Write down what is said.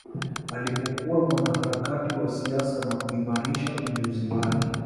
Alipokuwa mwanaharakati wa siasa na kuimarisha ujuzi wake